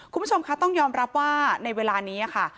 คุณผู้ชมคะต้องยอมรับว่าในเวลานี้ค่ะ